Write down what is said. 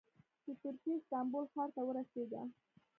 د ترکیې استانبول ښار ته ورسېده.